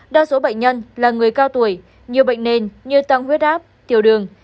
đa số bệnh nhân là người cao tuổi nhiều bệnh nền như tăng huyết áp tiểu đường